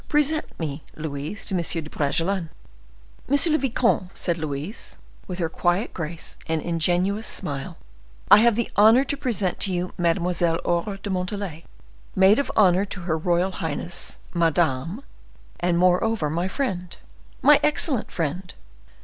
Present me, Louise, to M. de Bragelonne." "Monsieur le Vicomte," said Louise, with her quiet grace and ingenuous smile, "I have the honor to present to you Mademoiselle Aure de Montalais, maid of honor to her royal highness MADAME, and moreover my friend—my excellent friend."